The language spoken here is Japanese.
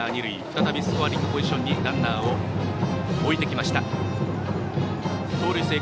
再び、スコアリングポジションにランナーを置いてきました。